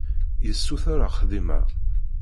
Yessuter axeddim-a.